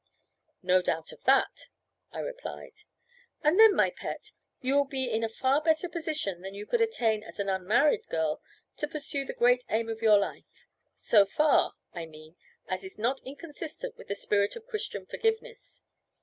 "No doubt of that," I replied. "And then, my pet, you will be in a far better position than you could attain as an unmarried girl to pursue the great aim of your life; so far, I mean, as is not inconsistent with the spirit of Christian forgiveness.